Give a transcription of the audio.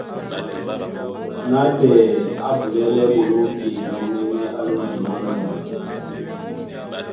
Nátɛɛ á bulɛ́lɛ́ ɓolóŋgi mɔ́mɛ́nɛ́ á lóŋginɔ́ na ndutu,